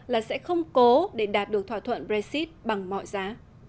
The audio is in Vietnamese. là sẽ không cố để đạt được thỏa thuận brexit bằng mọi giá